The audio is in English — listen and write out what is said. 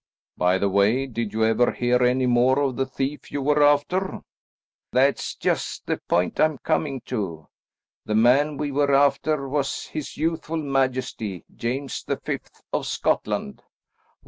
"By the way, did you ever hear any more of the thief you were after?" "That's just the point I am coming to. The man we were after was his youthful majesty, James the Fifth, of Scotland."